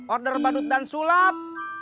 order badut dan sulap